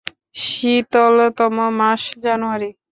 শীতলতম মাস জানুয়ারী।